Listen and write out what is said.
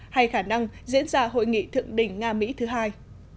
hay khả năng diễn ra hội nghị thượng đỉnh nga mỹ thứ hai